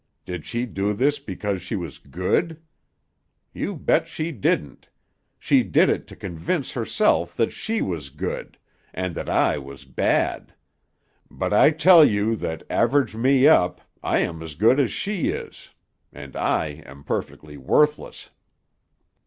Did she do this because she was Good? You bet she didn't; she did it to convince herself that she was Good, and that I was Bad; but I tell you that, average me up, I am as good as she is, and I am perfectly worthless."